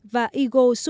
và igor yeltsin